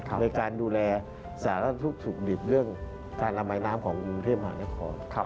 ในการดูแลสารทุกข์สุขดิบเรื่องการระบายน้ำของกรุงเทพมหานคร